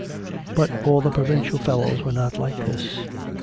But all the provincial fellows were not like this.